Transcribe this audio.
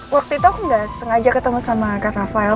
waktu itu aku gak sengaja ketemu sama kak rafael